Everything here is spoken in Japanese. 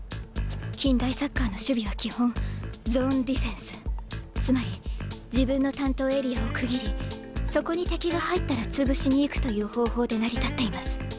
近代サッカーの守備は基本ゾーンディフェンスつまり自分の担当エリアを区切りそこに敵が入ったら潰しに行くという方法で成り立っています。